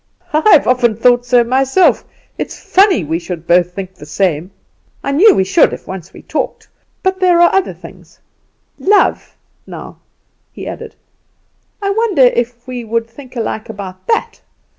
"I've often thought so myself. It's funny we should both think the same; I knew we should if once we talked. But there are other things love, now," he added. "I wonder if we would think alike about that.